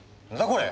これ。